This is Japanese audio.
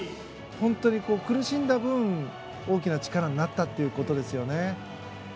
本当に苦しんだ分大きな力になったということですね。